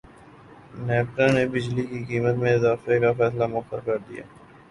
نیپرا نے بجلی کی قیمت میں اضافے کا فیصلہ موخر کردیا